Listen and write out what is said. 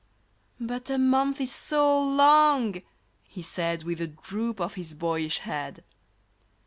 ' But a month is so long !" he said, With a droop of his boyish head.